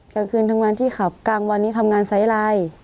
กลางคืนทำงานที่ขับกลางวันนี้ทำงานไซส์ไลน์